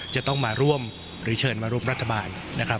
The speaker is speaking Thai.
จะต้องมาร่วมหรือเชิญมาร่วมรัฐบาลนะครับ